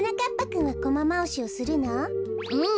うん。